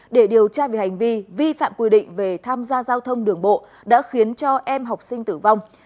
để điều tra về hành vi vi phạm quy định về tham gia giao thông đường bộ đã khiến cho em học sinh tử vong